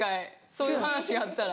そういう話あったら。